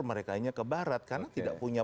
merekanya ke barat karena tidak punya